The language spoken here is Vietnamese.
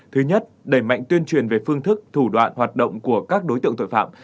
thứ nhất đẩy mạnh tuyên truyền về phương thức thủ đoạn hoạt động của các đối tượng tội phạm